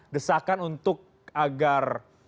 desakan untuk agar